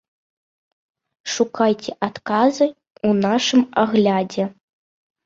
Шукайце адказы ў нашым аглядзе.